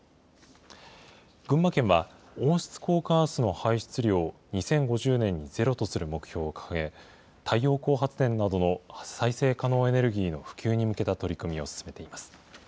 群馬県は温室効果ガスの排出量を２０５０年にゼロとする目標を掲げ、太陽光発電などの再生可能エネルギーの普及に向けた取り組みを進めています。